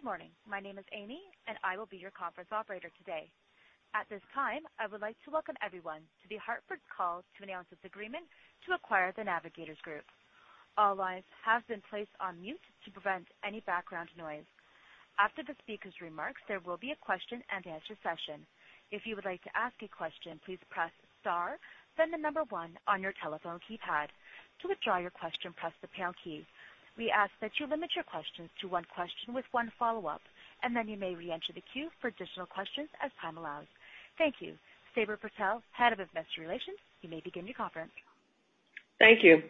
Good morning. My name is Amy, and I will be your conference operator today. At this time, I would like to welcome everyone to The Hartford's call to announce its agreement to acquire The Navigators Group. All lines have been placed on mute to prevent any background noise. After the speaker's remarks, there will be a question and answer session. If you would like to ask a question, please press star, then the number 1 on your telephone keypad. To withdraw your question, press the pound key. We ask that you limit your questions to one question with one follow-up, and then you may re-enter the queue for additional questions as time allows. Thank you. Sabra Purtill, Head of Investor Relations, you may begin your conference. Thank you.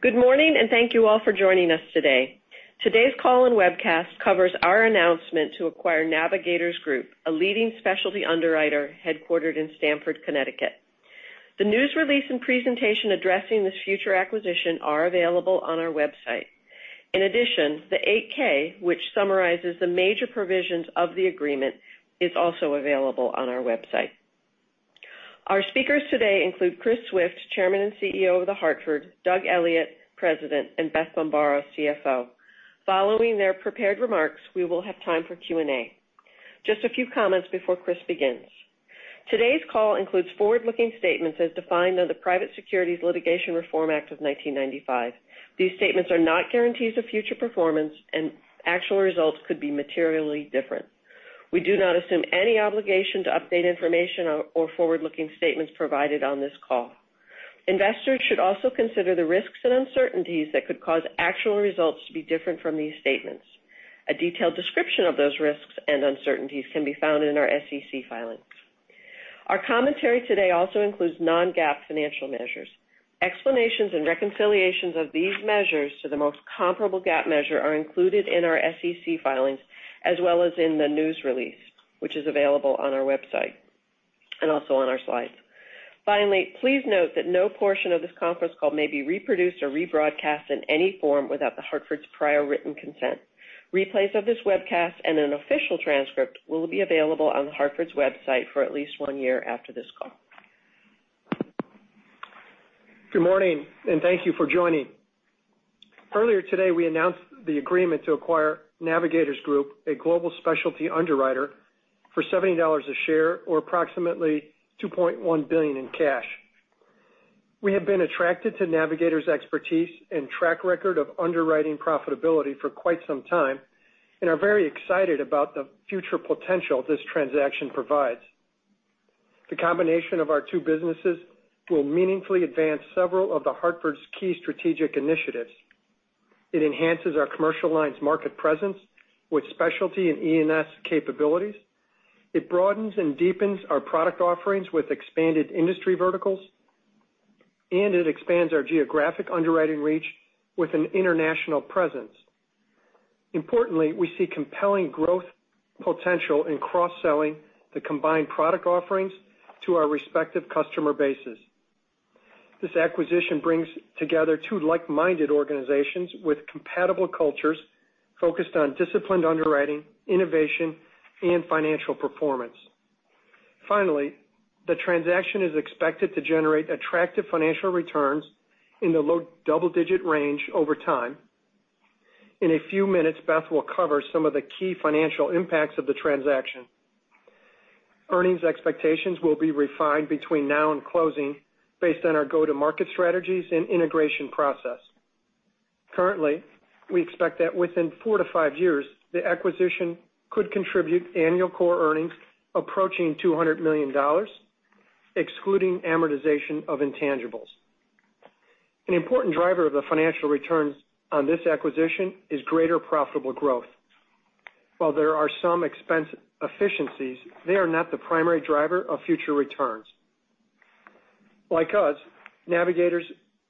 Good morning. Thank you all for joining us today. Today's call and webcast covers our announcement to acquire The Navigators Group, a leading specialty underwriter headquartered in Stamford, Connecticut. The news release and presentation addressing this future acquisition are available on our website. In addition, the 8-K, which summarizes the major provisions of the agreement, is also available on our website. Our speakers today include Chris Swift, Chairman and CEO of The Hartford; Doug Elliot, President; and Beth Bombara, CFO. Following their prepared remarks, we will have time for Q&A. Just a few comments before Chris begins. Today's call includes forward-looking statements as defined on the Private Securities Litigation Reform Act of 1995. These statements are not guarantees of future performance, and actual results could be materially different. We do not assume any obligation to update information or forward-looking statements provided on this call. Investors should also consider the risks and uncertainties that could cause actual results to be different from these statements. A detailed description of those risks and uncertainties can be found in our SEC filings. Our commentary today also includes non-GAAP financial measures. Explanations and reconciliations of these measures to the most comparable GAAP measure are included in our SEC filings as well as in the news release, which is available on our website and also on our slides. Finally, please note that no portion of this conference call may be reproduced or rebroadcast in any form without The Hartford's prior written consent. Replays of this webcast and an official transcript will be available on The Hartford's website for at least one year after this call. Good morning. Thank you for joining. Earlier today, we announced the agreement to acquire The Navigators Group, a global specialty underwriter, for $70 a share or approximately $2.1 billion in cash. We have been attracted to Navigators' expertise and track record of underwriting profitability for quite some time and are very excited about the future potential this transaction provides. The combination of our two businesses will meaningfully advance several of The Hartford's key strategic initiatives. It enhances our commercial lines market presence with specialty and E&S capabilities. It broadens and deepens our product offerings with expanded industry verticals. It expands our geographic underwriting reach with an international presence. Importantly, we see compelling growth potential in cross-selling the combined product offerings to our respective customer bases. This acquisition brings together two like-minded organizations with compatible cultures focused on disciplined underwriting, innovation, and financial performance. The transaction is expected to generate attractive financial returns in the low double-digit range over time. In a few minutes, Beth Bombara will cover some of the key financial impacts of the transaction. Earnings expectations will be refined between now and closing based on our go-to-market strategies and integration process. Currently, we expect that within four to five years, the acquisition could contribute annual core earnings approaching $200 million, excluding amortization of intangibles. An important driver of the financial returns on this acquisition is greater profitable growth. While there are some expense efficiencies, they are not the primary driver of future returns. Like us, Navigators'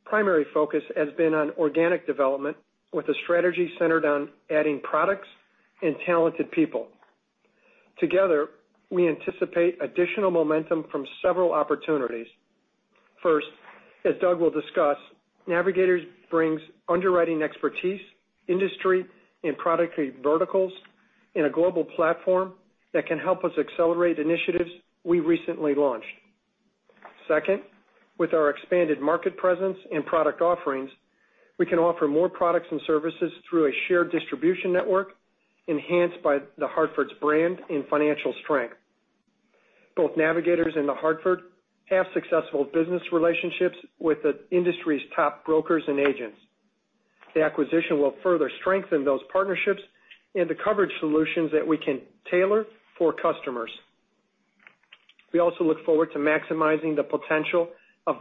primary focus has been on organic development with a strategy centered on adding products and talented people. Together, we anticipate additional momentum from several opportunities. As Doug will discuss, Navigators brings underwriting expertise, industry, and product verticals in a global platform that can help us accelerate initiatives we recently launched. With our expanded market presence and product offerings, we can offer more products and services through a shared distribution network enhanced by The Hartford's brand and financial strength. Both Navigators and The Hartford have successful business relationships with the industry's top brokers and agents. The acquisition will further strengthen those partnerships and the coverage solutions that we can tailor for customers. We also look forward to maximizing the potential of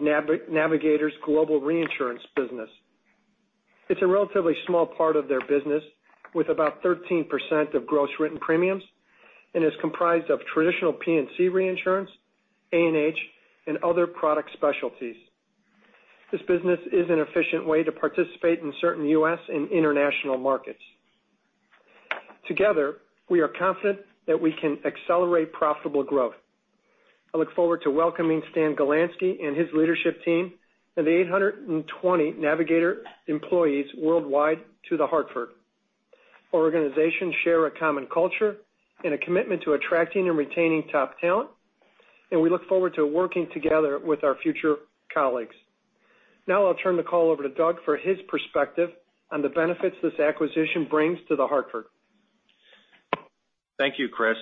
Navigators' global reinsurance business. It's a relatively small part of their business with about 13% of gross written premiums and is comprised of traditional P&C reinsurance, A&H, and other product specialties. This business is an efficient way to participate in certain U.S. and international markets. Together, we are confident that we can accelerate profitable growth. I look forward to welcoming Stan Galanski and his leadership team and the 820 Navigators employees worldwide to The Hartford. Our organizations share a common culture and a commitment to attracting and retaining top talent, and we look forward to working together with our future colleagues. I'll turn the call over to Doug for his perspective on the benefits this acquisition brings to The Hartford. Thank you, Chris.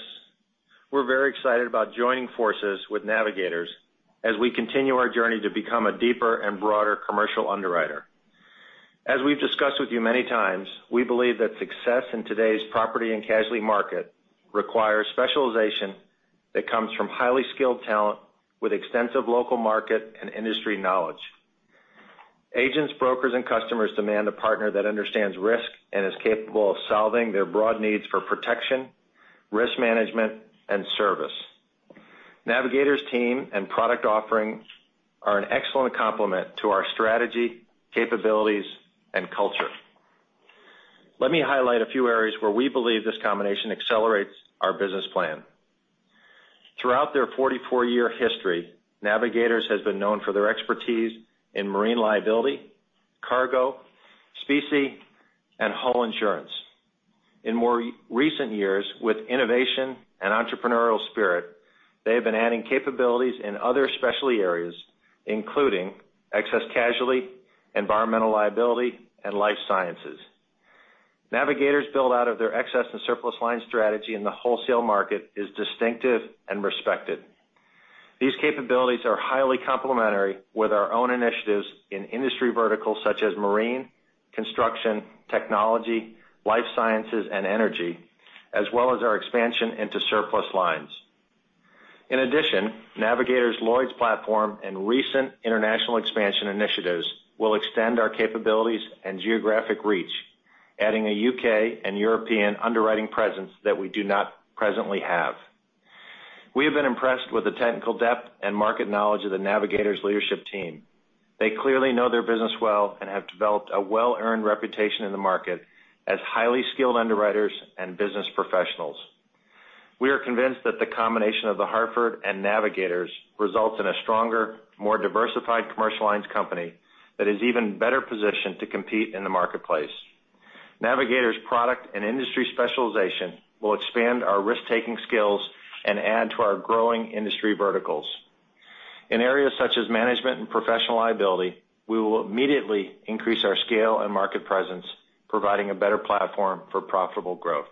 We're very excited about joining forces with Navigators as we continue our journey to become a deeper and broader commercial underwriter. As we've discussed with you many times, we believe that success in today's property and casualty market requires specialization that comes from highly skilled talent with extensive local market and industry knowledge. Agents, brokers, and customers demand a partner that understands risk and is capable of solving their broad needs for protection, risk management, and service. Navigators' team and product offerings are an excellent complement to our strategy, capabilities, and culture. Let me highlight a few areas where we believe this combination accelerates our business plan. Throughout their 44-year history, Navigators has been known for their expertise in marine liability, cargo, specie, and hull insurance. In more recent years, with innovation and entrepreneurial spirit, they have been adding capabilities in other specialty areas, including excess casualty, environmental liability, and life sciences. Navigators' build-out of their excess and surplus lines strategy in the wholesale market is distinctive and respected. These capabilities are highly complementary with our own initiatives in industry verticals such as marine, construction, technology, life sciences, and energy, as well as our expansion into surplus lines. In addition, Navigators' Lloyd's platform and recent international expansion initiatives will extend our capabilities and geographic reach, adding a U.K. and European underwriting presence that we do not presently have. We have been impressed with the technical depth and market knowledge of the Navigators leadership team. They clearly know their business well and have developed a well-earned reputation in the market as highly skilled underwriters and business professionals. We are convinced that the combination of The Hartford and Navigators results in a stronger, more diversified commercial lines company that is even better positioned to compete in the marketplace. Navigators' product and industry specialization will expand our risk-taking skills and add to our growing industry verticals. In areas such as management and professional liability, we will immediately increase our scale and market presence, providing a better platform for profitable growth.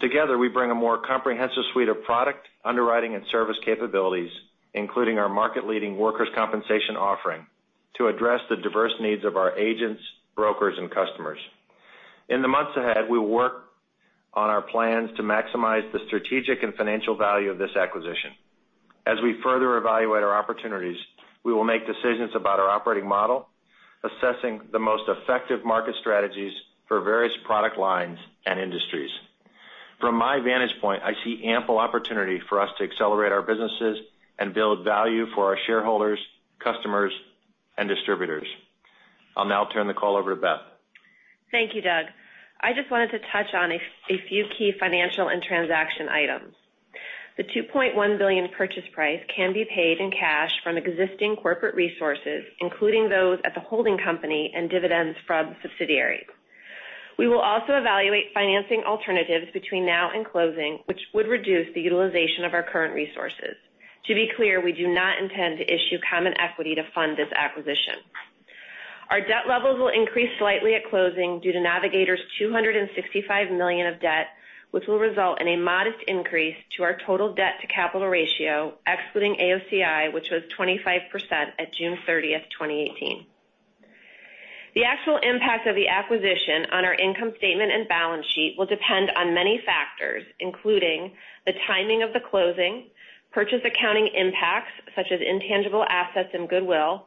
Together, we bring a more comprehensive suite of product, underwriting, and service capabilities, including our market-leading workers' compensation offering to address the diverse needs of our agents, brokers, and customers. In the months ahead, we will work on our plans to maximize the strategic and financial value of this acquisition. As we further evaluate our opportunities, we will make decisions about our operating model, assessing the most effective market strategies for various product lines and industries. From my vantage point, I see ample opportunity for us to accelerate our businesses and build value for our shareholders, customers, and distributors. I'll now turn the call over to Beth. Thank you, Doug. I just wanted to touch on a few key financial and transaction items. The $2.1 billion purchase price can be paid in cash from existing corporate resources, including those at the holding company and dividends from subsidiaries. We will also evaluate financing alternatives between now and closing, which would reduce the utilization of our current resources. To be clear, we do not intend to issue common equity to fund this acquisition. Our debt levels will increase slightly at closing due to Navigators' $265 million of debt, which will result in a modest increase to our total debt to capital ratio, excluding AOCI, which was 25% at June 30th, 2018. The actual impact of the acquisition on our income statement and balance sheet will depend on many factors, including the timing of the closing, purchase accounting impacts such as intangible assets and goodwill,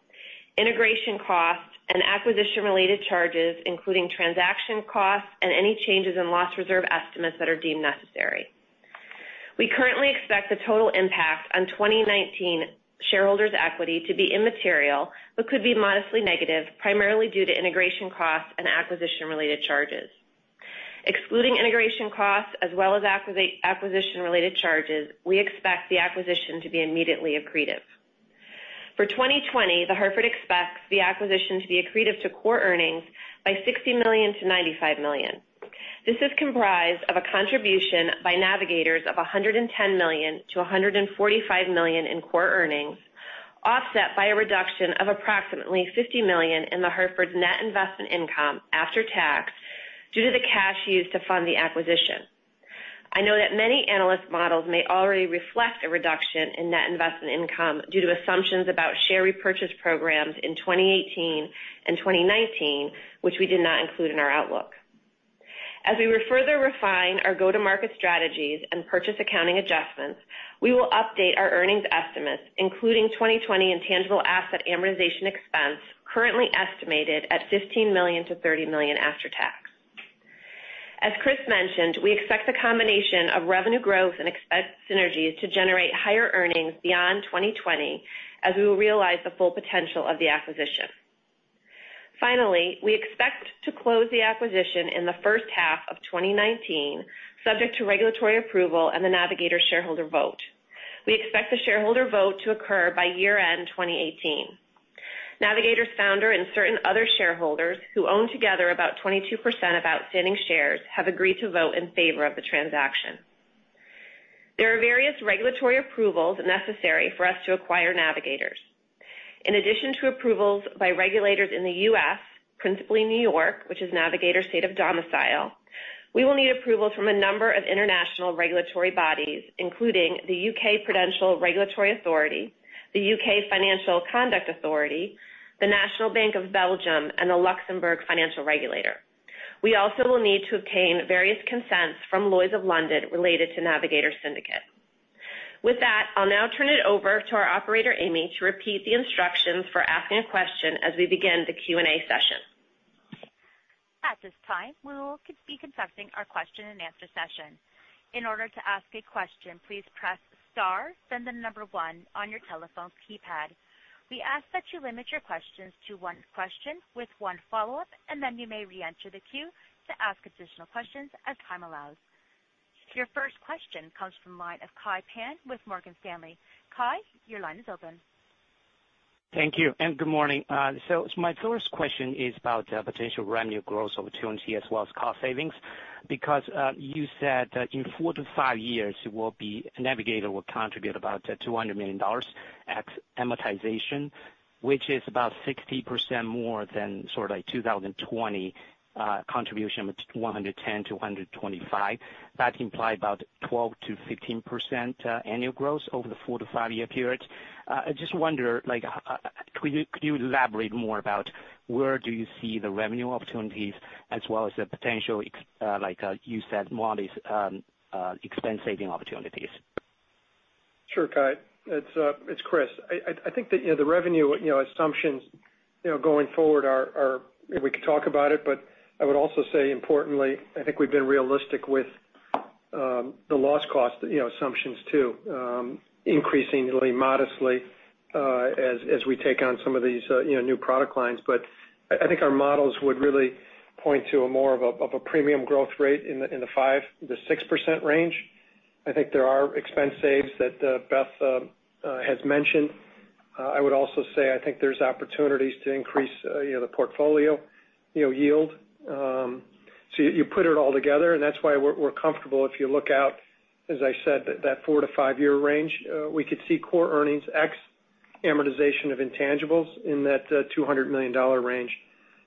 integration costs, and acquisition-related charges, including transaction costs and any changes in loss reserve estimates that are deemed necessary. We currently expect the total impact on 2019 shareholders' equity to be immaterial, but could be modestly negative, primarily due to integration costs and acquisition-related charges. Excluding integration costs as well as acquisition-related charges, we expect the acquisition to be immediately accretive. For 2020, The Hartford expects the acquisition to be accretive to core earnings by $60 million-$95 million. This is comprised of a contribution by Navigators of $110 million-$145 million in core earnings, offset by a reduction of approximately $50 million in The Hartford's net investment income after tax due to the cash used to fund the acquisition. I know that many analyst models may already reflect a reduction in net investment income due to assumptions about share repurchase programs in 2018 and 2019, which we did not include in our outlook. As we further refine our go-to-market strategies and purchase accounting adjustments, we will update our earnings estimates, including 2020 intangible asset amortization expense, currently estimated at $15 million-$30 million after tax. As Chris mentioned, we expect the combination of revenue growth and expense synergies to generate higher earnings beyond 2020 as we will realize the full potential of the acquisition. We expect to close the acquisition in the first half of 2019, subject to regulatory approval and the Navigators shareholder vote. We expect the shareholder vote to occur by year-end 2018. Navigators' founder and certain other shareholders, who own together about 22% of outstanding shares, have agreed to vote in favor of the transaction. There are various regulatory approvals necessary for us to acquire Navigators. In addition to approvals by regulators in the U.S., principally New York, which is Navigators' state of domicile, we will need approval from a number of international regulatory bodies, including the UK Prudential Regulation Authority, the UK Financial Conduct Authority, the National Bank of Belgium, and the Luxembourg Financial Regulator. We also will need to obtain various consents from Lloyd's of London related to Navigators Syndicate. With that, I'll now turn it over to our operator, Amy, to repeat the instructions for asking a question as we begin the Q&A session. At this time, we will be commencing our question and answer session. In order to ask a question, please press star, then the number one on your telephone keypad. We ask that you limit your questions to one question with one follow-up, then you may reenter the queue to ask additional questions as time allows. Your first question comes from the line of Kai Pan with Morgan Stanley. Kai, your line is open. Thank you, and good morning. My first question is about potential revenue growth opportunity as well as cost savings. You said that in four to five years, Navigators will contribute about $200 million ex amortization, which is about 60% more than sort of 2020 contribution with $110 million-$145 million. That implies about 12%-15% annual growth over the four to five-year period. I just wonder, could you elaborate more about where do you see the revenue opportunities as well as the potential, like you said, modest expense saving opportunities? Sure, Kai. It's Chris. I think that the revenue assumptions going forward are, we could talk about it, but I would also say importantly, I think we've been realistic with the loss cost assumptions, too, increasingly modestly as we take on some of these new product lines. I think our models would really point to more of a premium growth rate in the 5%-6% range. I think there are expense saves that Beth has mentioned. I would also say I think there's opportunities to increase the portfolio yield. You put it all together, and that's why we're comfortable if you look out, as I said, that four to five-year range, we could see core earnings ex amortization of intangibles in that $200 million range.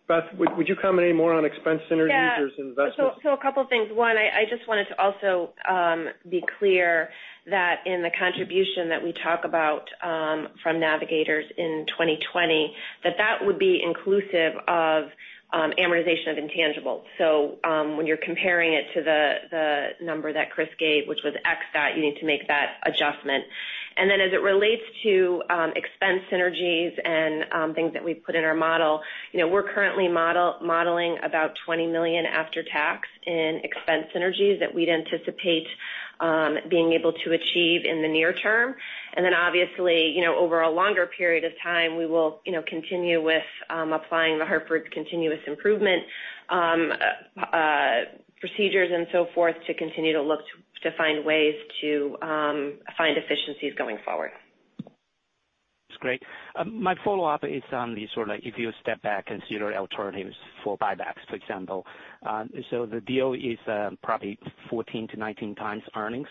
Beth, would you comment any more on expense synergies or investment? Yeah. A couple of things. One, I just wanted to also be clear that in the contribution that we talk about from Navigators in 2020, that that would be inclusive of amortization of intangibles. When you're comparing it to the number that Chris gave, which was ex that, you need to make that adjustment. Then as it relates to expense synergies and things that we've put in our model, we're currently modeling about $20 million after tax in expense synergies that we'd anticipate being able to achieve in the near term. Then obviously, over a longer period of time, we will continue with applying The Hartford continuous improvement procedures and so forth to continue to look to find ways to find efficiencies going forward. My follow-up is on the sort of if you step back, consider alternatives for buybacks, for example. The deal is probably 14-19 times earnings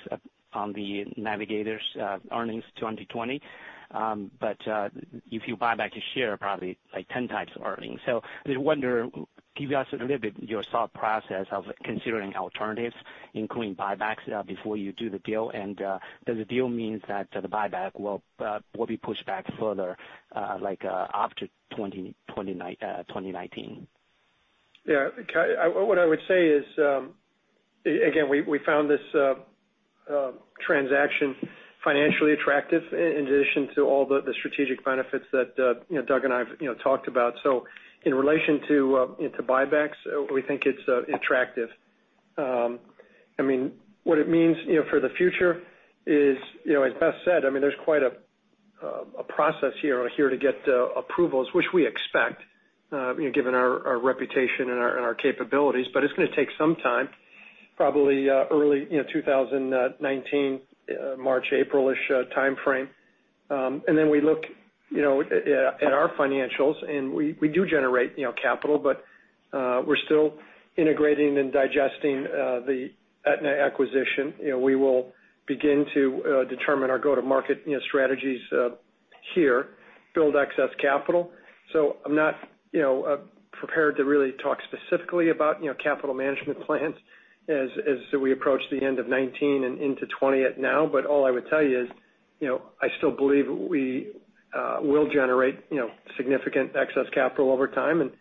on the Navigators' earnings 2020. If you buy back a share, probably like 10 times earnings. I wonder, give us a little bit your thought process of considering alternatives, including buybacks before you do the deal, and does the deal mean that the buyback will be pushed back further after 2019? Yeah. Kai, what I would say is, again, we found this transaction financially attractive in addition to all the strategic benefits that Doug and I've talked about. In relation to buybacks, we think it's attractive. What it means for the future is, as Beth said, there's quite a process here to get approvals, which we expect given our reputation and our capabilities, but it's going to take some time, probably early 2019, March, April-ish timeframe. We look at our financials, and we do generate capital, but we're still integrating and digesting the Aetna acquisition. We will begin to determine our go-to-market strategies here, build excess capital. I'm not prepared to really talk specifically about capital management plans as we approach the end of 2019 and into 2020 now. All I would tell you is, I still believe we will generate significant excess capital over time, and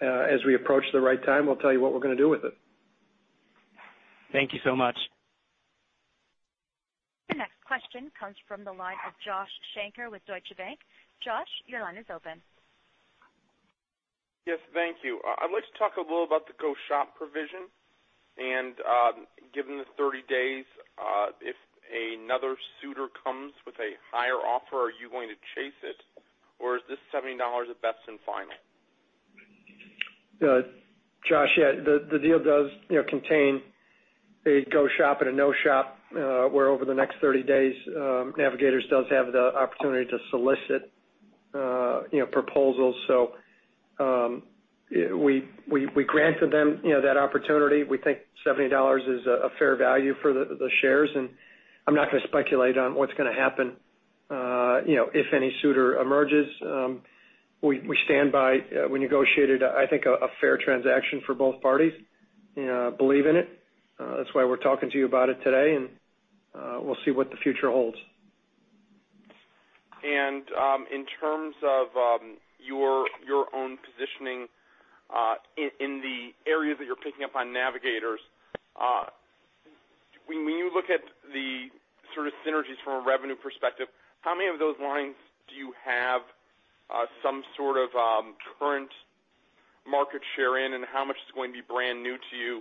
as we approach the right time, we'll tell you what we're going to do with it. Thank you so much. The next question comes from the line of Josh Shanker with Deutsche Bank. Josh, your line is open. Yes, thank you. Given the 30 days, if another suitor comes with a higher offer, are you going to chase it, or is this $70 at best and final? Josh, yeah. The deal does contain a go shop and a no shop where over the next 30 days, Navigators does have the opportunity to solicit proposals. We granted them that opportunity. We think $70 is a fair value for the shares. I'm not going to speculate on what's going to happen if any suitor emerges. We stand by we negotiated, I think, a fair transaction for both parties, believe in it. That's why we're talking to you about it today, and we'll see what the future holds. In terms of your own positioning in the areas that you're picking up on Navigators, when you look at the sort of synergies from a revenue perspective, how many of those lines do you have some sort of current market share in? How much is going to be brand new to you?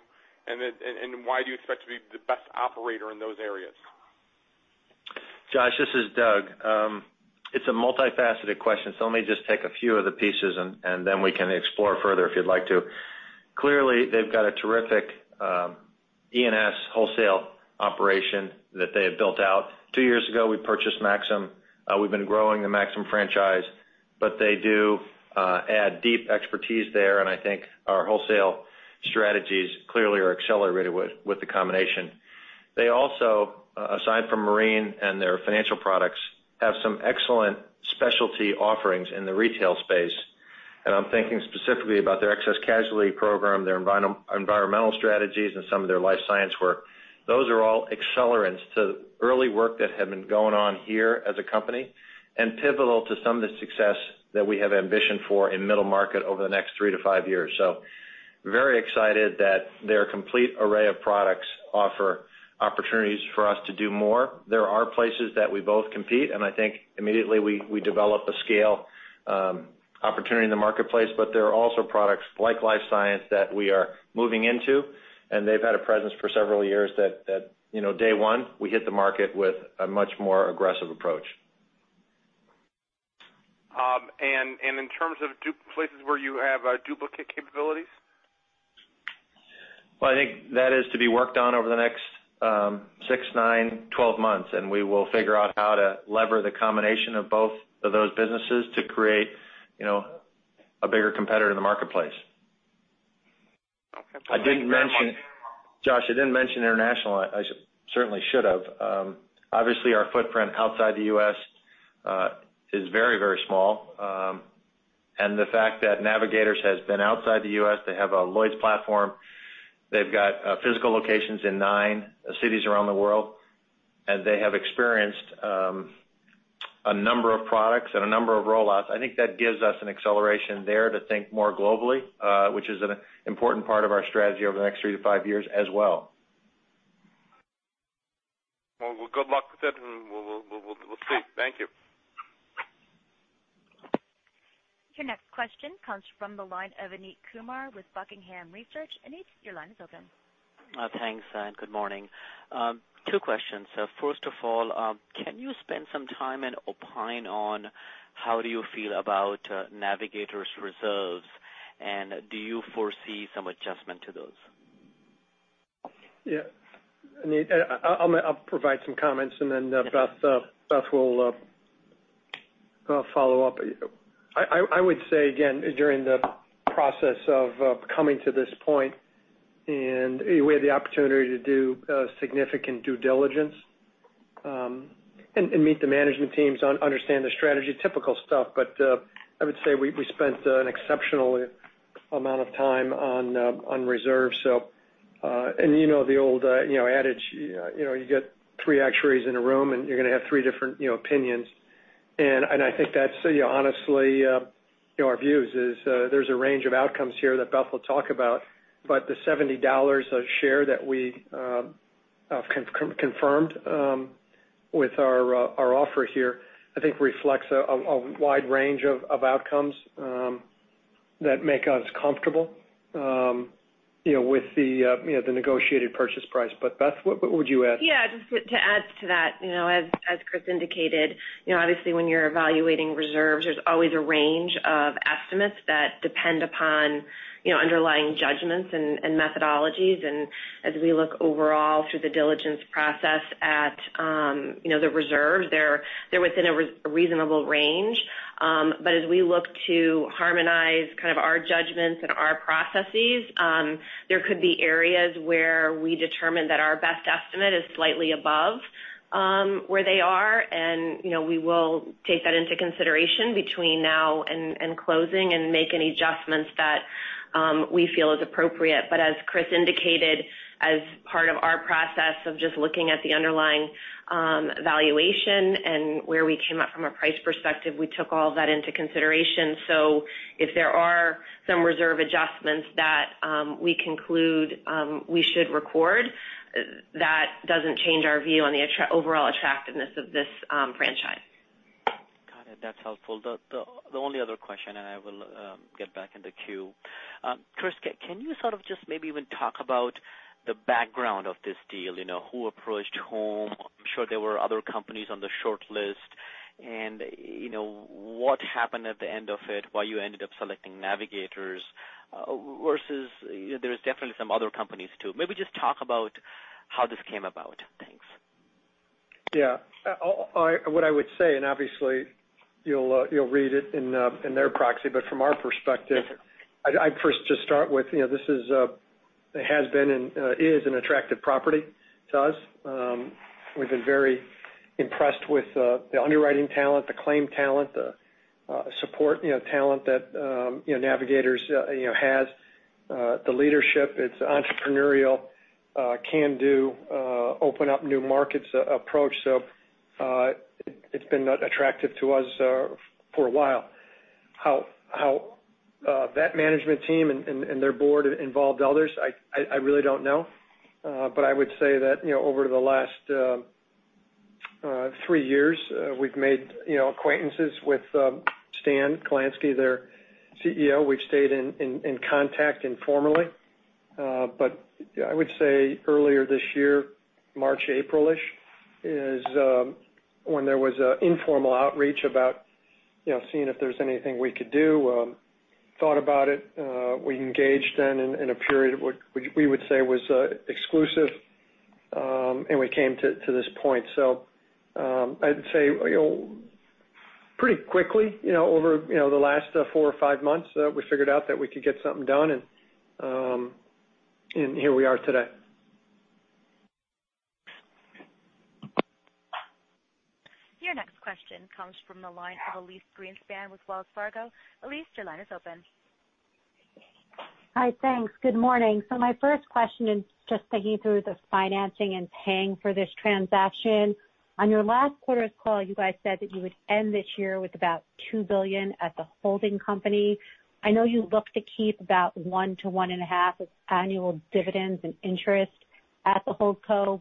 Why do you expect to be the best operator in those areas? Josh, this is Doug. It's a multifaceted question, let me just take a few of the pieces, and then we can explore further if you'd like to. Clearly, they've got a terrific E&S wholesale operation that they have built out. Two years ago, we purchased Maxum. We've been growing the Maxum franchise, but they do add deep expertise there, I think our wholesale strategies clearly are accelerated with the combination. They also, aside from marine and their financial products, have some excellent specialty offerings in the retail space. I'm thinking specifically about their excess casualty program, their environmental strategies, and some of their life science work. Those are all accelerants to early work that had been going on here as a company, and pivotal to some of the success that we have ambition for in middle market over the next three to five years. Very excited that their complete array of products offer opportunities for us to do more. There are places that we both compete, I think immediately we develop a scale opportunity in the marketplace. There are also products like life science that we are moving into, they've had a presence for several years that day one, we hit the market with a much more aggressive approach. In terms of places where you have duplicate capabilities? Well, I think that is to be worked on over the next six, nine, 12 months, we will figure out how to lever the combination of both of those businesses to create a bigger competitor in the marketplace. Okay. Josh, I didn't mention international. I certainly should have. Obviously, our footprint outside the U.S. is very small. The fact that Navigators has been outside the U.S., they have a Lloyd's platform, they've got physical locations in nine cities around the world, and they have experienced a number of products and a number of roll-outs. I think that gives us an acceleration there to think more globally, which is an important part of our strategy over the next three to five years as well. Well, good luck with it, and we'll see. Thank you. Your next question comes from the line of Amit Kumar with Buckingham Research. Amit, your line is open. Thanks, and good morning. Two questions. First of all, can you spend some time and opine on how do you feel about Navigators' reserves, and do you foresee some adjustment to those? Yeah. Amit, I'll provide some comments, then Beth will follow up. I would say again, during the process of coming to this point, we had the opportunity to do significant due diligence, meet the management teams, understand their strategy, typical stuff. I would say we spent an exceptional amount of time on reserves. You know the old adage, you get three actuaries in a room, and you're going to have three different opinions. I think that's honestly our views is there's a range of outcomes here that Beth will talk about. The $70 a share that we have confirmed with our offer here, I think reflects a wide range of outcomes that make us comfortable with the negotiated purchase price. Beth, what would you add? Yeah, just to add to that as Chris indicated, obviously when you're evaluating reserves, there's always a range of estimates that depend upon underlying judgments and methodologies. As we look overall through the diligence process at the reserves, they're within a reasonable range. As we look to harmonize kind of our judgments and our processes, there could be areas where we determine that our best estimate is slightly above where they are, and we will take that into consideration between now and closing and make any adjustments that we feel is appropriate. As Chris indicated, as part of our process of just looking at the underlying valuation and where we came up from a price perspective, we took all of that into consideration. If there are some reserve adjustments that we conclude we should record, that doesn't change our view on the overall attractiveness of this franchise. Got it. That's helpful. The only other question, I will get back in the queue. Chris, can you sort of just maybe even talk about the background of this deal? Who approached whom? I'm sure there were other companies on the shortlist. What happened at the end of it, why you ended up selecting Navigators versus there's definitely some other companies, too. Maybe just talk about how this came about. Thanks. Yeah. What I would say, obviously you'll read it in their proxy, but from our perspective, I'd first just start with, this has been and is an attractive property to us. We've been very impressed with the underwriting talent, the claim talent, the support talent that Navigators has. The leadership, it's entrepreneurial, can-do, open-up-new-markets approach. It's been attractive to us for a while. How that management team and their board involved others, I really don't know. I would say that over the last three years, we've made acquaintances with Stan A. Galanski, their CEO. We've stayed in contact informally. I would say earlier this year, March, April-ish, is when there was an informal outreach about seeing if there's anything we could do. Thought about it. We engaged then in a period we would say was exclusive, and we came to this point. I'd say pretty quickly, over the last four or five months, we figured out that we could get something done, here we are today. Your next question comes from the line of Elyse Greenspan with Wells Fargo. Elyse, your line is open. Hi, thanks. Good morning. My first question is just thinking through the financing and paying for this transaction. On your last quarter's call, you guys said that you would end this year with about $2 billion at the holding company. I know you look to keep about one to one and a half of annual dividends and interest at the holdco.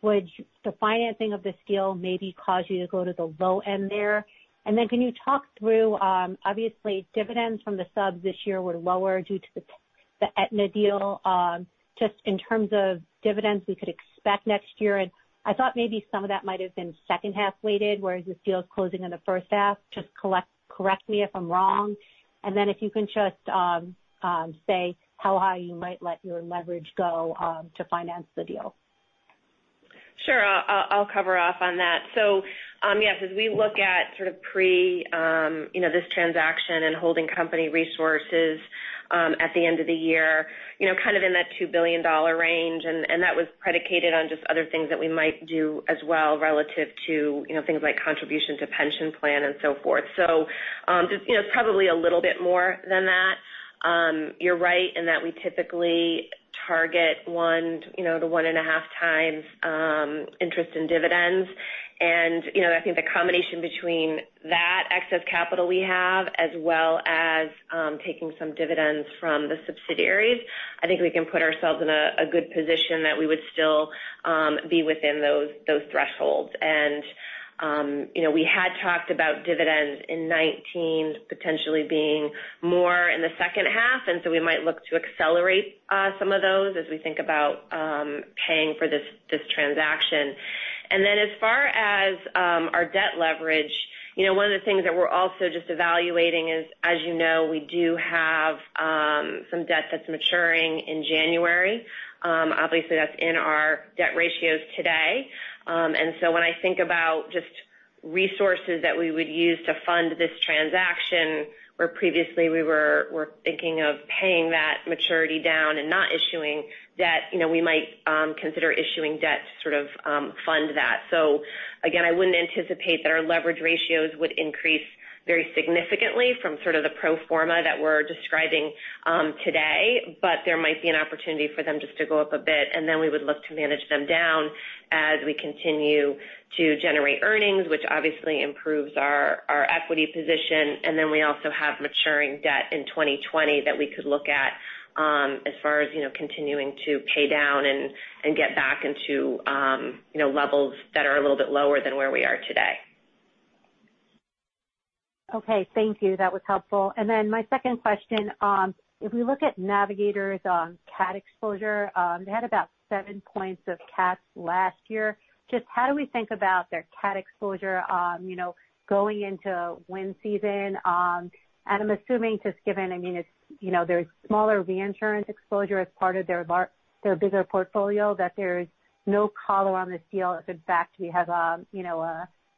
Would the financing of this deal maybe cause you to go to the low end there? Then can you talk through, obviously dividends from the subs this year were lower due to the Aetna deal. Just in terms of dividends we could expect next year, I thought maybe some of that might have been second half weighted, whereas this deal is closing in the first half. Just correct me if I'm wrong. How high you might let your leverage go to finance the deal? Sure. I'll cover off on that. Yes, as we look at sort of pre this transaction and holding company resources at the end of the year, kind of in that $2 billion range, that was predicated on just other things that we might do as well relative to things like contribution to pension plan and so forth. It's probably a little bit more than that. You're right in that we typically target one to one and a half times interest in dividends. I think the combination between that excess capital we have, as well as taking some dividends from the subsidiaries, I think we can put ourselves in a good position that we would still be within those thresholds. We had talked about dividends in 2019 potentially being more in the second half, we might look to accelerate some of those as we think about paying for this transaction. As far as our debt leverage, one of the things that we're also just evaluating is, as you know, we do have some debt that's maturing in January. Obviously, that's in our debt ratios today. When I think about just resources that we would use to fund this transaction, where previously we were thinking of paying that maturity down and not issuing debt, we might consider issuing debt to sort of fund that. Again, I wouldn't anticipate that our leverage ratios would increase very significantly from sort of the pro forma that we're describing today. There might be an opportunity for them just to go up a bit, we would look to manage them down as we continue to generate earnings, which obviously improves our equity position. We also have maturing debt in 2020 that we could look at as far as continuing to pay down and get back into levels that are a little bit lower than where we are today. Okay. Thank you. That was helpful. My second question, if we look at Navigators' cat exposure, they had about seven points of cats last year. How do we think about their cat exposure going into wind season? I'm assuming given there's smaller reinsurance exposure as part of their bigger portfolio, there's no collar on this deal if in fact we have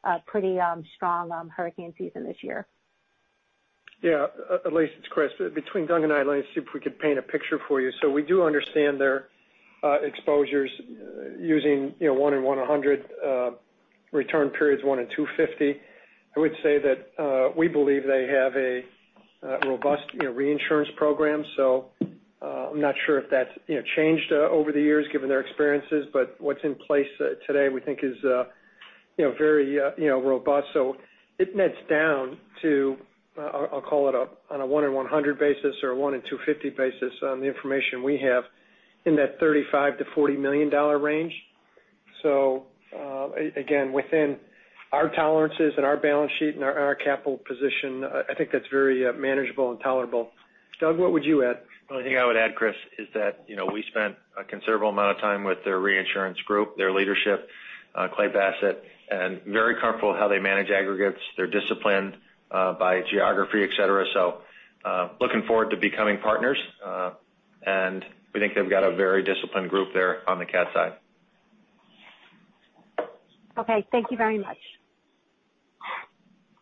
a pretty strong hurricane season this year. Elyse, it's Chris. Between Doug and I, let me see if we could paint a picture for you. We do understand their exposures using 1 in 100 return periods, 1 in 250. I would say that we believe they have a robust reinsurance program. I'm not sure if that's changed over the years given their experiences, but what's in place today we think is very robust. It nets down to, I'll call it on a 1 in 100 basis or a 1 in 250 basis on the information we have, in that $35 million-$40 million range. Again, within our tolerances and our balance sheet and our capital position, I think that's very manageable and tolerable. Doug, what would you add? The only thing I would add, Chris, is that we spent a considerable amount of time with their reinsurance group, their leadership, Clay Bassett, and very comfortable how they manage aggregates. They're disciplined by geography, et cetera. Looking forward to becoming partners. We think they've got a very disciplined group there on the cat side. Okay, thank you very much.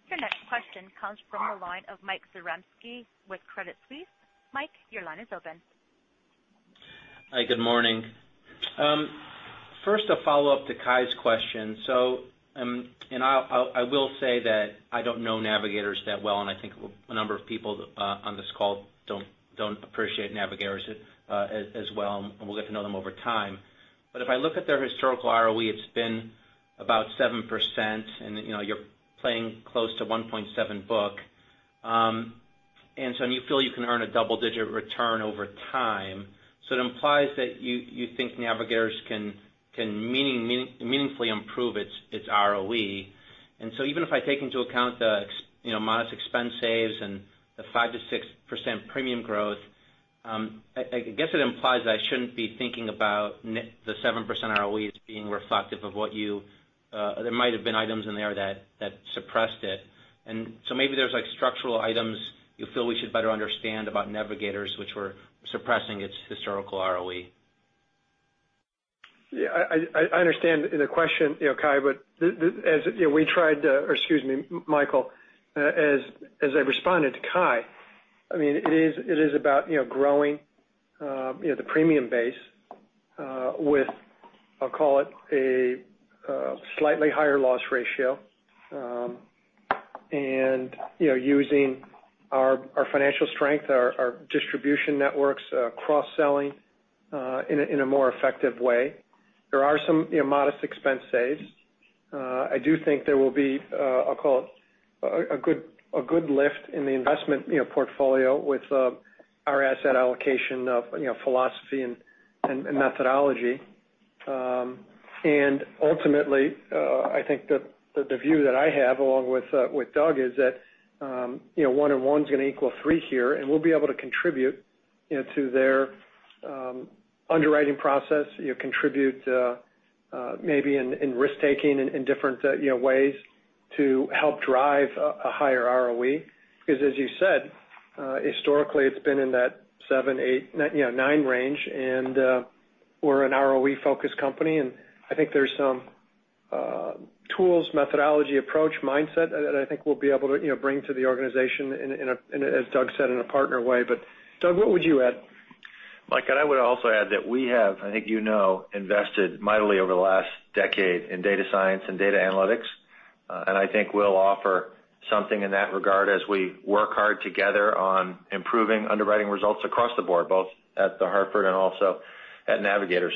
Your next question comes from the line of Michael Zaremski with Credit Suisse. Mike, your line is open. Hi, good morning. First, a follow-up to Kai's question. I will say that I don't know Navigators that well, and I think a number of people on this call don't appreciate Navigators as well, and we'll get to know them over time. But if I look at their historical ROE, it's been about 7% and you're playing close to 1.7 book. You feel you can earn a double-digit return over time. It implies that you think Navigators can meaningfully improve its ROE. Even if I take into account the modest expense saves and the 5%-6% premium growth, I guess it implies that I shouldn't be thinking about the 7% ROE as being reflective of, there might have been items in there that suppressed it. Maybe there's structural items you feel we should better understand about Navigators, which were suppressing its historical ROE. Yeah, I understand the question, Kai, or excuse me, Michael. As I responded to Kai, it is about growing the premium base, with, I'll call it, a slightly higher loss ratio, and using our financial strength, our distribution networks, cross-selling, in a more effective way. There are some modest expense saves. I do think there will be, I'll call it, a good lift in the investment portfolio with our asset allocation philosophy and methodology. Ultimately, I think that the view that I have, along with Doug, is that one and one's going to equal three here, and we'll be able to contribute to their underwriting process, contribute maybe in risk-taking in different ways to help drive a higher ROE. As you said, historically, it's been in that seven, eight, nine range, and we're an ROE-focused company, and I think there's some tools, methodology, approach, mindset that I think we'll be able to bring to the organization in, as Doug said, in a partner way. Doug, what would you add? Mike, I would also add that we have, I think you know, invested mightily over the last decade in data science and data analytics. I think we'll offer something in that regard as we work hard together on improving underwriting results across the board, both at The Hartford and also at Navigators.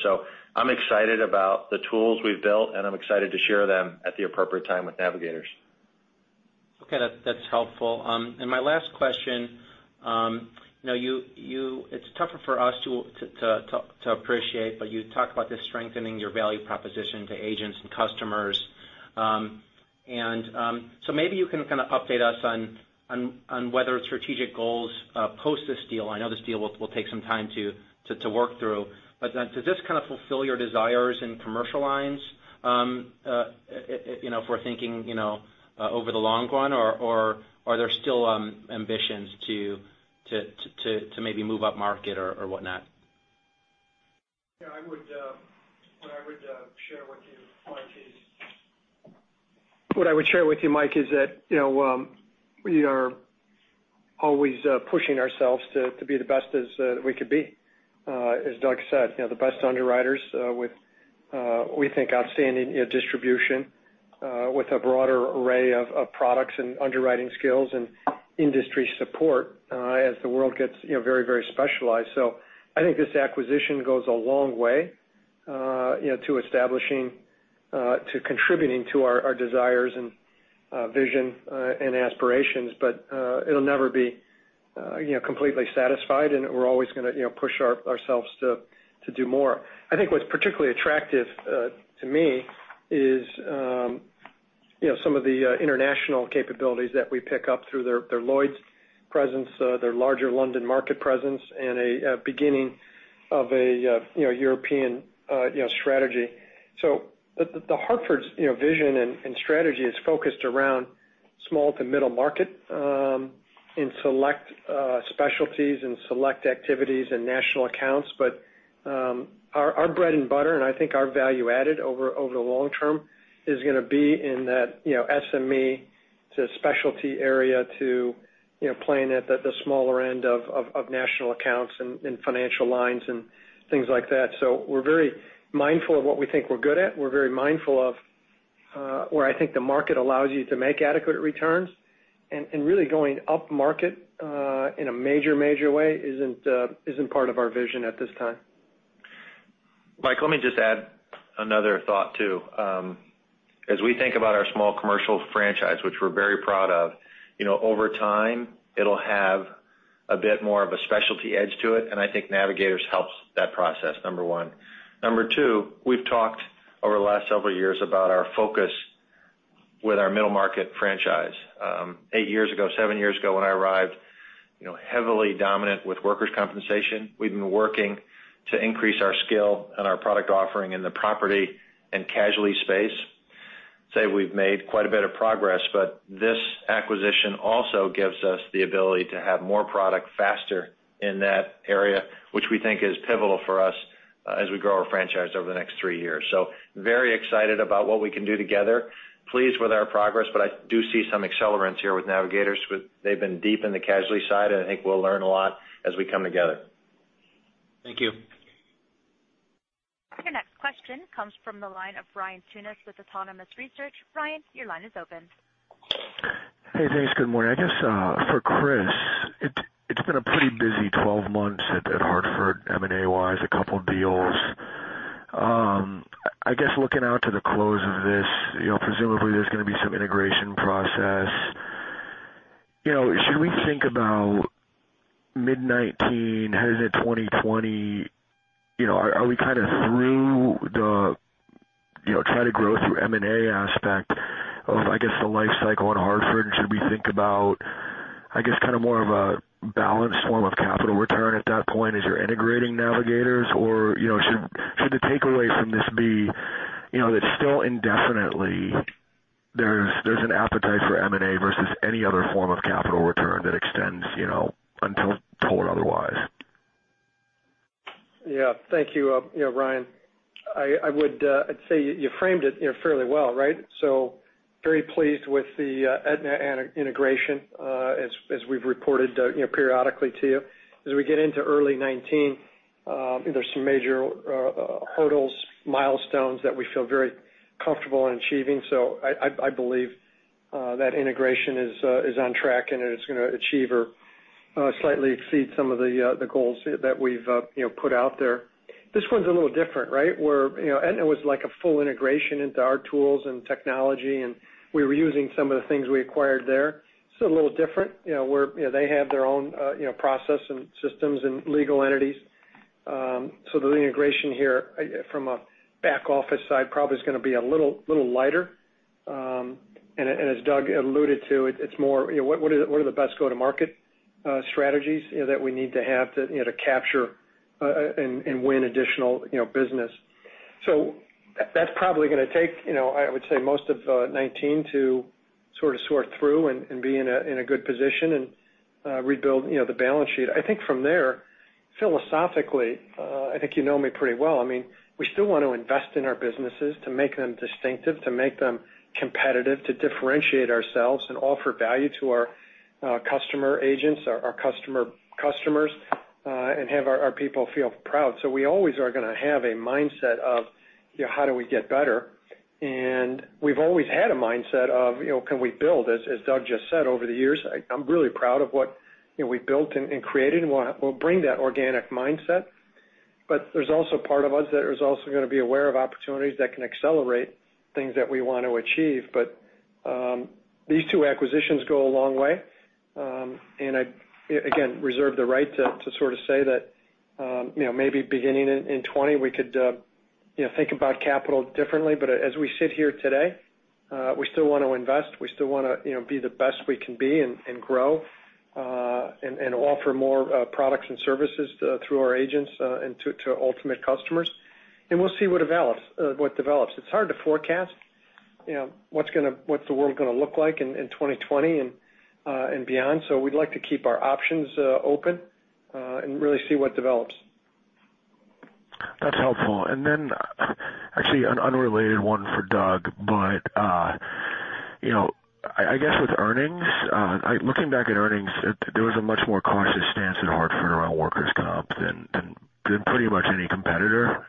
I'm excited about the tools we've built, and I'm excited to share them at the appropriate time with Navigators. Okay. That's helpful. My last question. It's tougher for us to appreciate, but you talk about this strengthening your value proposition to agents and customers. Maybe you can update us on whether strategic goals post this deal. I know this deal will take some time to work through. Does this fulfill your desires in commercial lines if we're thinking over the long run, or are there still ambitions to maybe move up market or whatnot? What I would share with you, Mike, is that we are always pushing ourselves to be the best as we could be. As Doug said, the best underwriters with, we think, outstanding distribution, with a broader array of products and underwriting skills and industry support, as the world gets very specialized. I think this acquisition goes a long way to establishing, to contributing to our desires and vision and aspirations. It'll never be completely satisfied, and we're always going to push ourselves to do more. I think what's particularly attractive to me is some of the international capabilities that we pick up through their Lloyd's presence, their larger London market presence, and a beginning of a European strategy. The Hartford's vision and strategy is focused around small to middle market, in select specialties and select activities and national accounts. Our bread and butter, and I think our value added over the long term, is going to be in that SME to specialty area to playing at the smaller end of national accounts and financial lines and things like that. We're very mindful of what we think we're good at. We're very mindful of where I think the market allows you to make adequate returns. Really going upmarket in a major way isn't part of our vision at this time. Mike, let me just add another thought, too. As we think about our small commercial franchise, which we're very proud of, over time, it'll have a bit more of a specialty edge to it, and I think Navigators helps that process, number one. Number two, we've talked over the last several years about our focus with our middle market franchise. Eight years ago, seven years ago, when I arrived, heavily dominant with workers' compensation. We've been working to increase our skill and our product offering in the property and casualty space. Say we've made quite a bit of progress, this acquisition also gives us the ability to have more product faster in that area, which we think is pivotal for us as we grow our franchise over the next three years. Very excited about what we can do together, pleased with our progress, but I do see some accelerants here with Navigators. They've been deep in the casualty side, and I think we'll learn a lot as we come together. Thank you. Your next question comes from the line of Ryan Tunis with Autonomous Research. Ryan, your line is open. Hey, thanks. Good morning. I guess for Chris, it's been a pretty busy 12 months at The Hartford, M&A-wise, a couple of deals. I guess looking out to the close of this, presumably, there's going to be some integration process. Should we think about mid 2019, 2020? Are we kind of through the try to grow through M&A aspect of, I guess, the life cycle at The Hartford? Should we think about, I guess, more of a balanced form of capital return at that point as you're integrating Navigators? Should the takeaway from this be that still indefinitely there's an appetite for M&A versus any other form of capital return that extends until told otherwise? Yeah. Thank you, Ryan. I'd say you framed it fairly well, right? Very pleased with the Aetna integration, as we've reported periodically to you. As we get into early 2019, there's some major hurdles, milestones that we feel very comfortable in achieving. I believe that integration is on track, and it's going to achieve or slightly exceed some of the goals that we've put out there. This one's a little different, right? Aetna was like a full integration into our tools and technology, and we were using some of the things we acquired there. This is a little different. They have their own process and systems and legal entities. The integration here from a back office side probably is going to be a little lighter. As Doug alluded to, it's more, what are the best go-to-market strategies that we need to have to capture and win additional business. That's probably going to take, I would say, most of 2019 to sort through and be in a good position and rebuild the balance sheet. I think from there, philosophically, I think you know me pretty well. We still want to invest in our businesses to make them distinctive, to make them competitive, to differentiate ourselves and offer value to our customer agents, our customers, and have our people feel proud. We always are going to have a mindset of how do we get better? We've always had a mindset of can we build? As Doug just said, over the years, I'm really proud of what we've built and created, and we'll bring that organic mindset. There's also a part of us that is also going to be aware of opportunities that can accelerate things that we want to achieve. These two acquisitions go a long way. I, again, reserve the right to sort of say that maybe beginning in 2020, we could think about capital differently. As we sit here today, we still want to invest, we still want to be the best we can be and grow, and offer more products and services through our agents and to ultimate customers. We'll see what develops. It's hard to forecast what the world's going to look like in 2020 and beyond. We'd like to keep our options open, and really see what develops. That's helpful. Then, actually an unrelated one for Doug. I guess with earnings, looking back at earnings, there was a much more cautious stance at Hartford around workers' comp than pretty much any competitor.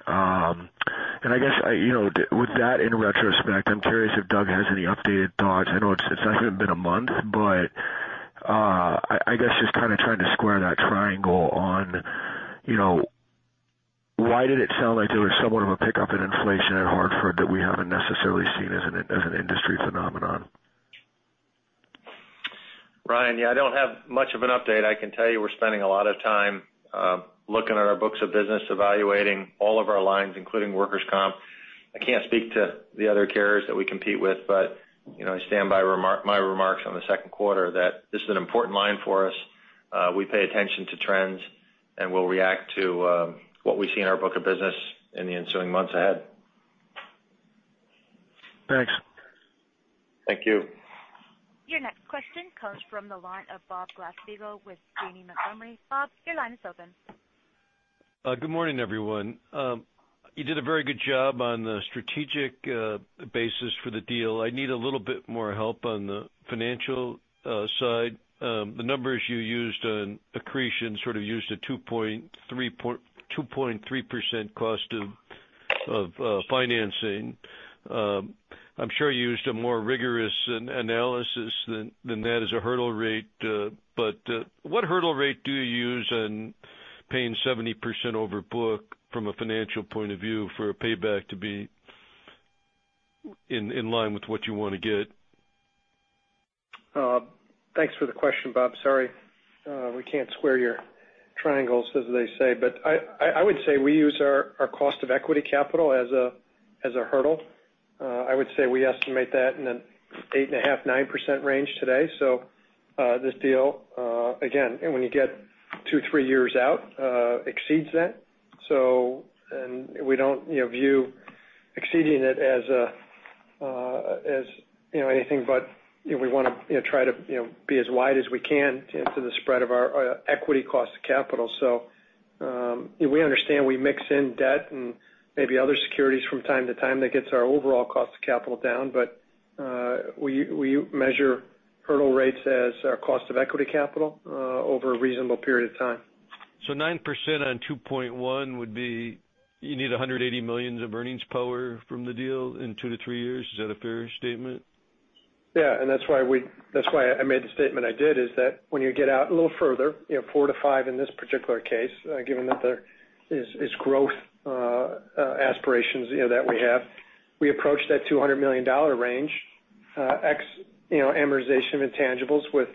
I guess with that, in retrospect, I'm curious if Doug has any updated thoughts. I know it hasn't been a month, but I guess just kind of trying to square that triangle on why did it sound like there was somewhat of a pickup in inflation at Hartford that we haven't necessarily seen as an industry phenomenon? Ryan, I don't have much of an update. I can tell you we're spending a lot of time looking at our books of business, evaluating all of our lines, including workers' comp. I can't speak to the other carriers that we compete with, but I stand by my remarks on the second quarter that this is an important line for us. We pay attention to trends, and we'll react to what we see in our book of business in the ensuing months ahead. Thanks. Thank you. Your next question comes from the line of Robert Glasspiegel with Janney Montgomery. Bob, your line is open. Good morning, everyone. You did a very good job on the strategic basis for the deal. I need a little bit more help on the financial side. The numbers you used on accretion sort of used a 2.3% cost of financing. I'm sure you used a more rigorous analysis than that as a hurdle rate. What hurdle rate do you use in paying 70% over book from a financial point of view for a payback to be in line with what you want to get? Thanks for the question, Bob. Sorry, we can't square your triangles, as they say. I would say we use our cost of equity capital as a hurdle. I would say we estimate that in an 8.5%-9% range today. This deal, again, and when you get two, three years out, exceeds that. We don't view exceeding it as anything, but we want to try to be as wide as we can to the spread of our equity cost of capital. We understand we mix in debt and maybe other securities from time to time that gets our overall cost of capital down, but we measure hurdle rates as our cost of equity capital over a reasonable period of time. 9% on $2.1 billion would be, you need $180 million of earnings power from the deal in two to three years. Is that a fair statement? Yeah, that's why I made the statement I did, is that when you get out a little further, four to five in this particular case, given that there is growth aspirations that we have. We approach that $200 million range, ex amortization of intangibles with,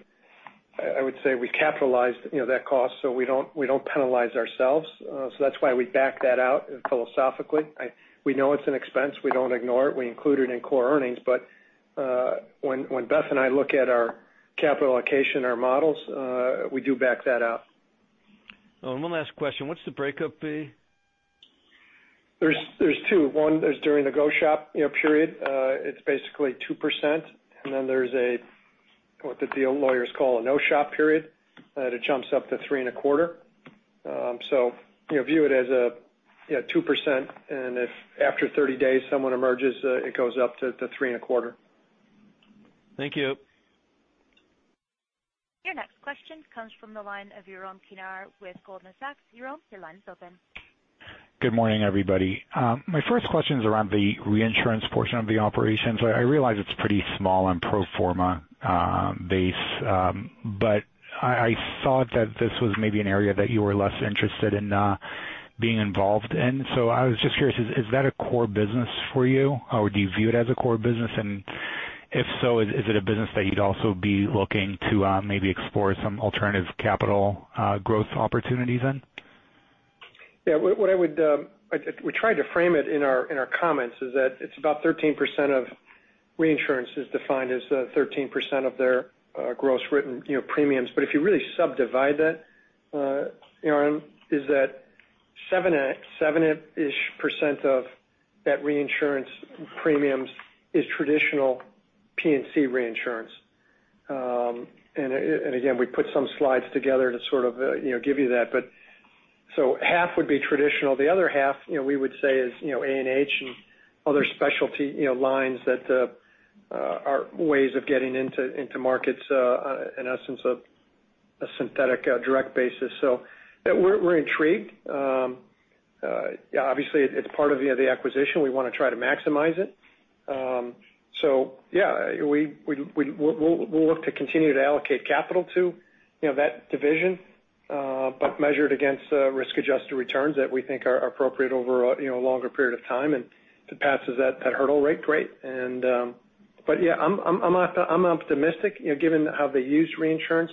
I would say, we capitalize that cost so we don't penalize ourselves. That's why we back that out philosophically. We know it's an expense. We don't ignore it. We include it in core earnings. When Beth and I look at our capital allocation, our models, we do back that out. One last question. What's the breakup fee? There's two. One, there's during the go-shop period. It's basically 2%. Then there's what the deal lawyers call a no-shop period, that it jumps up to 3.25%. View it as a 2%, and if after 30 days someone emerges, it goes up to 3.25%. Thank you. Your next question comes from the line of Yaron Kinar with Goldman Sachs. Uram, your line is open. Good morning, everybody. My first question is around the reinsurance portion of the operations. I realize it's pretty small and pro forma base. I thought that this was maybe an area that you were less interested in being involved in. I was just curious, is that a core business for you, or do you view it as a core business? If so, is it a business that you'd also be looking to maybe explore some alternative capital growth opportunities in? We tried to frame it in our comments is that it's about 13% of reinsurance is defined as 13% of their gross written premiums. If you really subdivide that, Uram, is that seven-ish % of that reinsurance premiums is traditional P&C reinsurance. Again, we put some slides together to sort of give you that. Half would be traditional. The other half we would say is A&H and other specialty lines that are ways of getting into markets, in essence, a synthetic direct basis. We're intrigued. Obviously, it's part of the acquisition. We want to try to maximize it. We'll work to continue to allocate capital to that division, but measured against risk-adjusted returns that we think are appropriate over a longer period of time. If it passes that hurdle rate, great. I'm optimistic given how they use reinsurance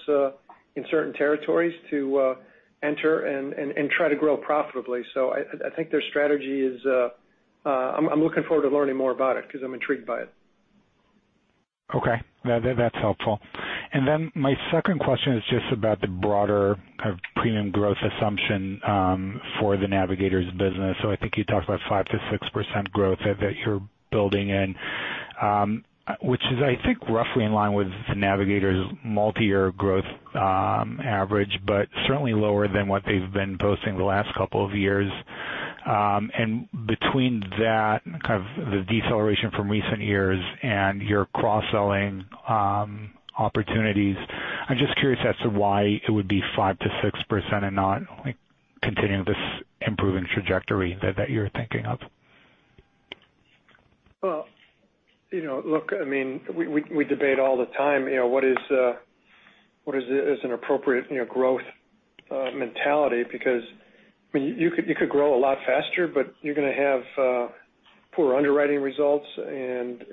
in certain territories to enter and try to grow profitably. I think their strategy is I'm looking forward to learning more about it because I'm intrigued by it. Okay. That's helpful. My second question is just about the broader kind of premium growth assumption for the Navigators business. I think you talked about 5%-6% growth that you're building in, which is, I think, roughly in line with the Navigators' multi-year growth average, but certainly lower than what they've been boasting the last couple of years. Between that kind of the deceleration from recent years and your cross-selling opportunities, I'm just curious as to why it would be 5%-6% and not continuing this improving trajectory that you're thinking of. Well, look, we debate all the time, what is an appropriate growth mentality because you could grow a lot faster, but you're going to have poor underwriting results and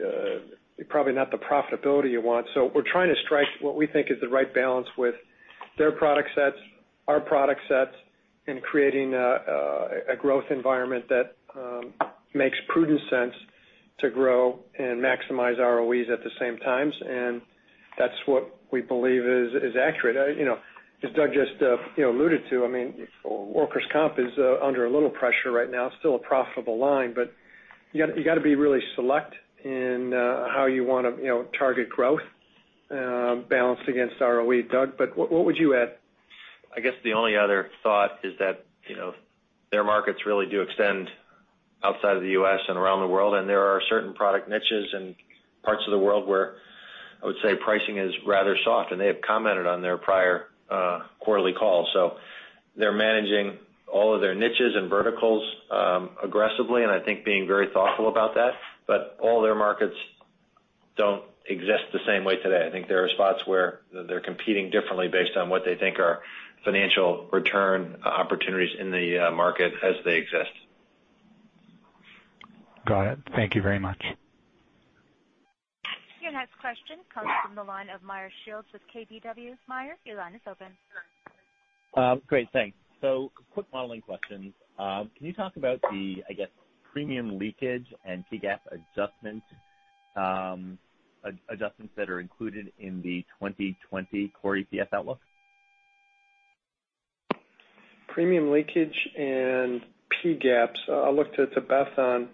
probably not the profitability you want. We're trying to strike what we think is the right balance with their product sets, our product sets, and creating a growth environment that makes prudent sense to grow and maximize ROEs at the same times. That's what we believe is accurate. As Doug just alluded to, workers' comp is under a little pressure right now, still a profitable line, but you got to be really select in how you want to target growth balanced against ROE. Doug, what would you add? I guess the only other thought is that their markets really do extend outside of the U.S. and around the world, and there are certain product niches in parts of the world where I would say pricing is rather soft, and they have commented on their prior quarterly call. They're managing all of their niches and verticals aggressively, and I think being very thoughtful about that, but all their markets don't exist the same way today. I think there are spots where they're competing differently based on what they think are financial return opportunities in the market as they exist. Got it. Thank you very much. Your next question comes from the line of Meyer Shields with KBW. Meyer, your line is open. Quick modeling questions. Can you talk about the, I guess, premium leakage and PGAAP adjustments that are included in the 2020 core EPS outlook? Premium leakage and PGAPs. I'll look to Beth on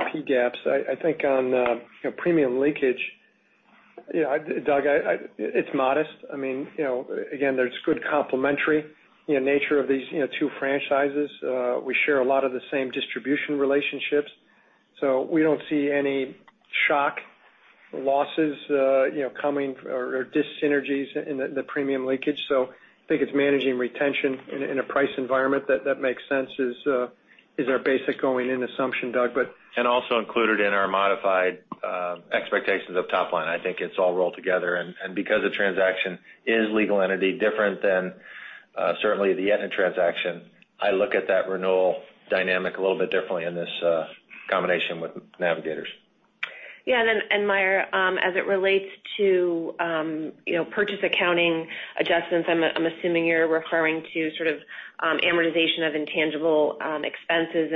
PGAPs. I think on premium leakage, Doug, it's modest. There's good complementary nature of these two franchises. We share a lot of the same distribution relationships, so we don't see any shock losses coming or dyssynergies in the premium leakage. I think it's managing retention in a price environment that makes sense is our basic going-in assumption, Doug. Also included in our modified expectations of top line. I think it's all rolled together. Because the transaction is legal entity different than certainly the Aetna transaction, I look at that renewal dynamic a little bit differently in this combination with Navigators. Meyer, as it relates to purchase accounting adjustments, I'm assuming you're referring to sort of amortization of intangible expenses.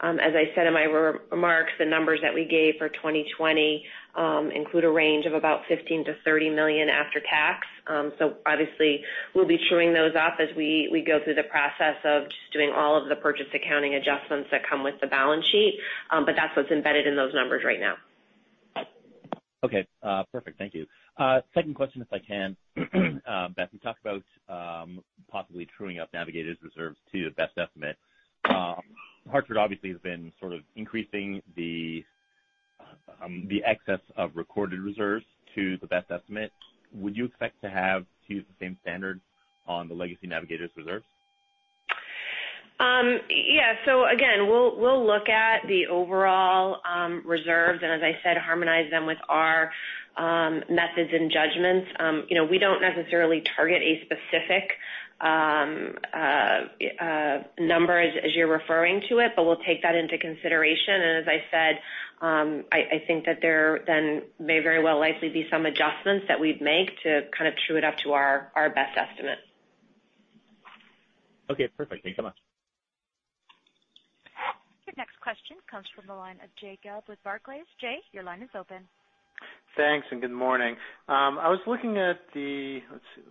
As I said in my remarks, the numbers that we gave for 2020 include a range of about $15 million-$30 million after tax. Obviously we'll be truing those up as we go through the process of just doing all of the purchase accounting adjustments that come with the balance sheet. That's what's embedded in those numbers right now. Okay. Perfect, thank you. Second question, if I can. Beth, you talked about possibly truing up Navigators reserves to your best estimate. Hartford obviously has been sort of increasing the excess of recorded reserves to the best estimate. Would you expect to have to use the same standard on the legacy Navigators reserves? Yeah. Again, we'll look at the overall reserves, as I said, harmonize them with our methods and judgments. We don't necessarily target a specific number as you're referring to it, we'll take that into consideration. As I said, I think that there then may very well likely be some adjustments that we'd make to kind of true it up to our best estimate. Okay, perfect. Thanks so much. Your next question comes from the line of Jay Gelb with Barclays. Jay, your line is open. Thanks. Good morning. I was looking at the, let's see,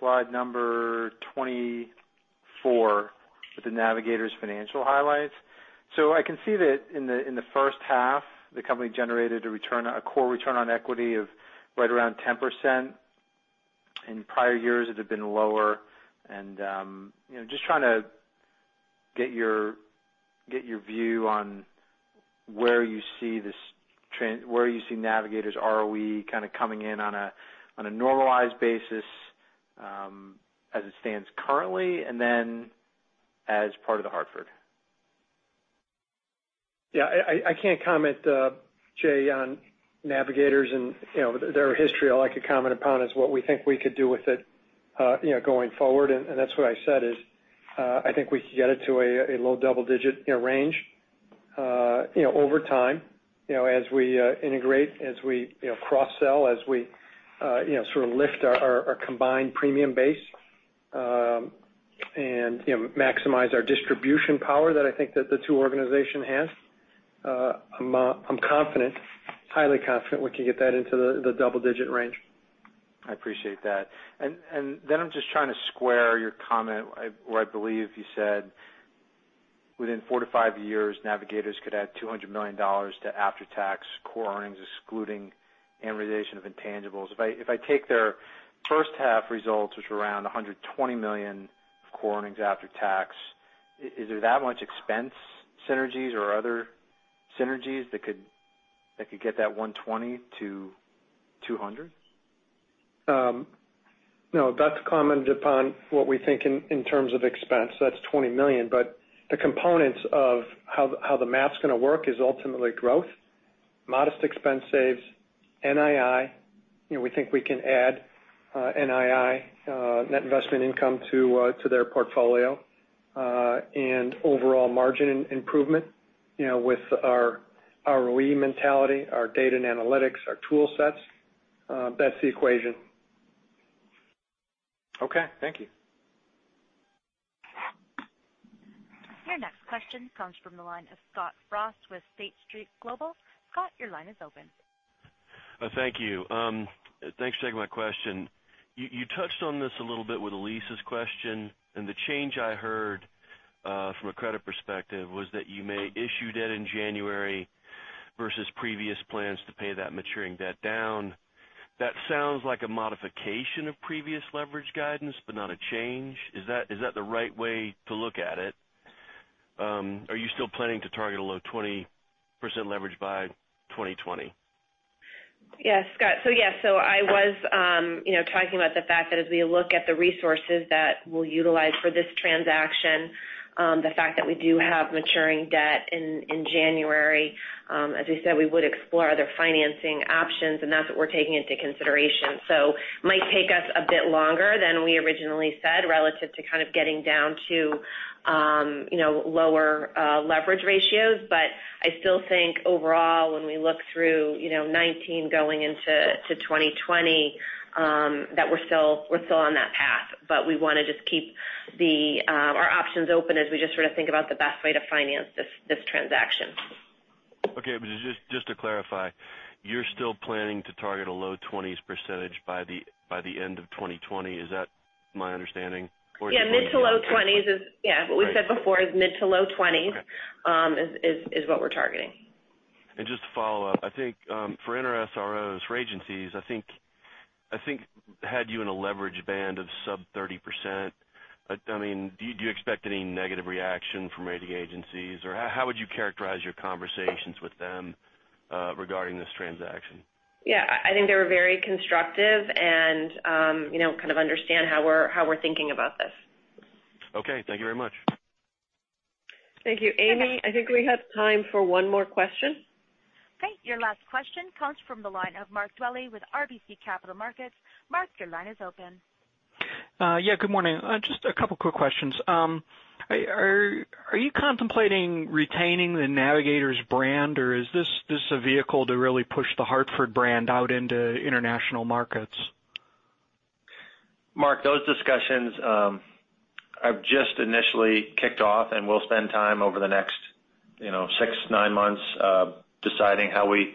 slide number 24 with the Navigators financial highlights. I can see that in the first half, the company generated a core return on equity of right around 10%. In prior years, it had been lower. I'm just trying to get your view on where you see Navigators' ROE kind of coming in on a normalized basis as it stands currently, then as part of The Hartford. Yeah. I can't comment, Jay, on Navigators and their history. All I could comment upon is what we think we could do with it going forward, that's what I said is, I think we could get it to a low double-digit range over time as we integrate, as we cross-sell, as we sort of lift our combined premium base, maximize our distribution power that I think that the two organization has. I'm confident, highly confident we can get that into the double-digit range. I appreciate that. I'm just trying to square your comment where I believe you said within four to five years, Navigators could add $200 million to after-tax core earnings, excluding amortization of intangibles. If I take their first half results, which were around $120 million of core earnings after tax, is there that much expense synergies or other synergies that could get that $120 to $200? No. Doug's commented upon what we think in terms of expense. That's $20 million. The components of how the math's going to work is ultimately growth, modest expense saves, NII. We think we can add NII, net investment income, to their portfolio, and overall margin improvement with our ROE mentality, our data and analytics, our tool sets. That's the equation. Okay. Thank you. Your next question comes from the line of Scott Frost with State Street Global. Scott, your line is open. Thank you. Thanks for taking my question. You touched on this a little bit with Elyse's question. The change I heard from a credit perspective was that you may issue debt in January versus previous plans to pay that maturing debt down. That sounds like a modification of previous leverage guidance, but not a change. Is that the right way to look at it? Are you still planning to target a low 20% leverage by 2020? Yeah, Scott. I was talking about the fact that as we look at the resources that we'll utilize for this transaction, the fact that we do have maturing debt in January. As we said, we would explore other financing options, that's what we're taking into consideration. It might take us a bit longer than we originally said relative to kind of getting down to lower leverage ratios. I still think overall, when we look through 2019 going into 2020, that we're still on that path. We want to just keep our options open as we just sort of think about the best way to finance this transaction. Okay. Just to clarify, you're still planning to target a low 20s% by the end of 2020. Is that my understanding? Or- Yeah. Mid to low 20s is Yeah. What we said before is mid to low 20s- Okay is what we're targeting. Just to follow up, I think, for NRSROs, for agencies, I think, had you in a leverage band of sub 30%. Do you expect any negative reaction from rating agencies? How would you characterize your conversations with them regarding this transaction? Yeah, I think they were very constructive and kind of understand how we're thinking about this. Okay. Thank you very much. Thank you. Amy, I think we have time for one more question. Okay. Your last question comes from the line of Mark Dwelle with RBC Capital Markets. Mark, your line is open. Yeah, good morning. Just a couple quick questions. Are you contemplating retaining The Navigators brand, or is this a vehicle to really push The Hartford brand out into international markets? Mark, those discussions have just initially kicked off. We'll spend time over the next six, nine months deciding how we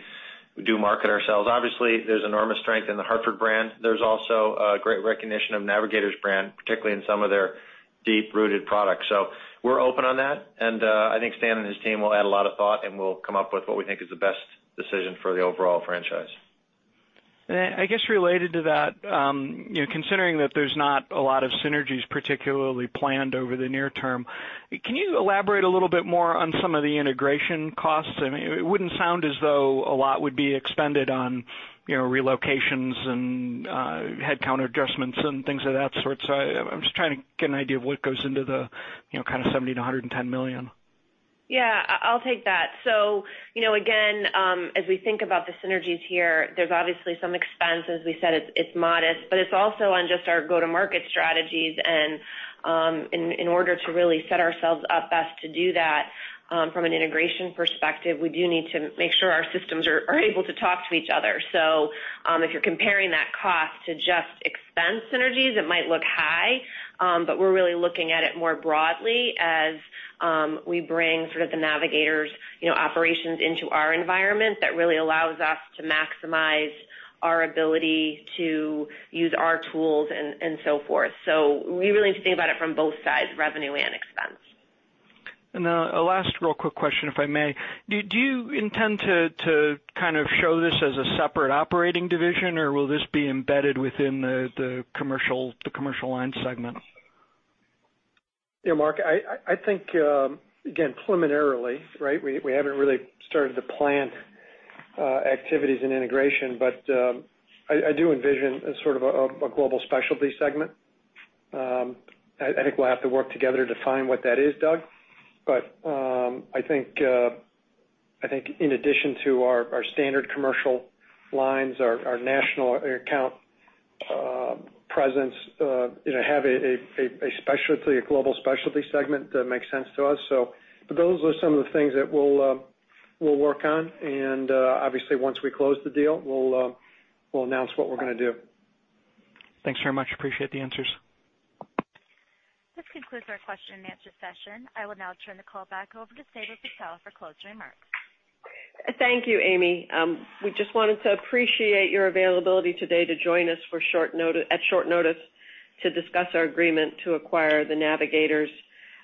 do market ourselves. Obviously, there's enormous strength in The Hartford brand. There's also a great recognition of Navigators' brand, particularly in some of their deep-rooted products. We're open on that, and I think Stan and his team will add a lot of thought, and we'll come up with what we think is the best decision for the overall franchise. I guess related to that, considering that there's not a lot of synergies particularly planned over the near term, can you elaborate a little bit more on some of the integration costs? It wouldn't sound as though a lot would be expended on relocations and headcount adjustments and things of that sort. I'm just trying to get an idea of what goes into the kind of $70 million-$110 million. I'll take that. Again, as we think about the synergies here, there's obviously some expense. As we said, it's modest, but it's also on just our go-to-market strategies. In order to really set ourselves up best to do that from an integration perspective, we do need to make sure our systems are able to talk to each other. If you're comparing that cost to just expense synergies, it might look high. We're really looking at it more broadly as we bring sort of The Navigators operations into our environment that really allows us to maximize our ability to use our tools and so forth. We really need to think about it from both sides, revenue and expense. A last real quick question, if I may. Do you intend to kind of show this as a separate operating division, or will this be embedded within the commercial line segment? Mark, I think, again, preliminarily, we haven't really started to plan activities and integration, I do envision a sort of a global specialty segment. I think we'll have to work together to define what that is, Doug. I think in addition to our standard commercial lines, our national account presence have a specialty, a global specialty segment that makes sense to us. Those are some of the things that we'll work on. Obviously, once we close the deal, we'll announce what we're going to do. Thanks very much. Appreciate the answers. This concludes our question and answer session. I will now turn the call back over to Sabra Purtill for closing remarks. Thank you, Amy. We just wanted to appreciate your availability today to join us at short notice to discuss our agreement to acquire The Navigators.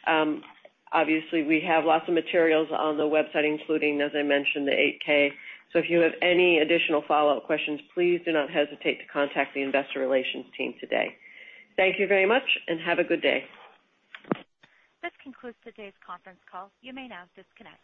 Obviously, we have lots of materials on the website, including, as I mentioned, the 8-K. If you have any additional follow-up questions, please do not hesitate to contact the investor relations team today. Thank you very much and have a good day. This concludes today's conference call. You may now disconnect.